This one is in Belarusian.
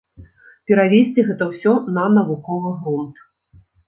Перавесці гэта ўсё на навуковы грунт.